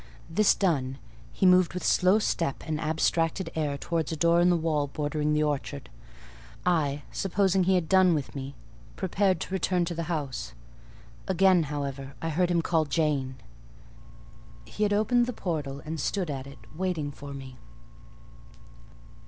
This done, he moved with slow step and abstracted air towards a door in the wall bordering the orchard. I, supposing he had done with me, prepared to return to the house; again, however, I heard him call "Jane!" He had opened the portal and stood at it, waiting for me.